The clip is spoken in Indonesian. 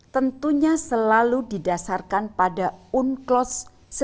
tentunya selalu didasarkan pada unclos seribu sembilan ratus delapan puluh dua